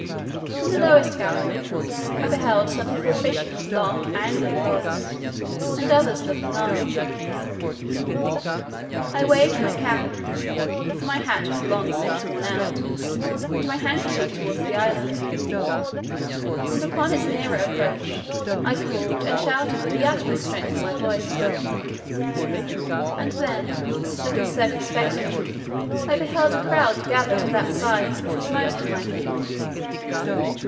In the lowest gallery, I beheld some people fishing with long angling rods, and others looking on. I waved my cap (for my hat was long since worn out) and my handkerchief toward the island; and upon its nearer approach, I called and shouted with the utmost strength of my voice; and then looking circumspectly, I beheld a crowd gather to that side which was most in my view.